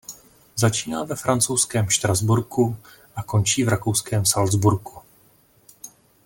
Začíná ve francouzském Štrasburku a končí v rakouském Salzburgu.